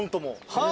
はい。